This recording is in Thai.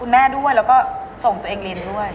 แล้วก็ส่งตัวเองเรียนด้วน